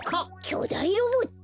きょだいロボット？